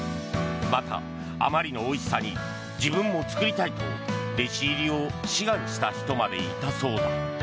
また、あまりのおいしさに自分も作りたいと弟子入りを志願した人までいたそうだ。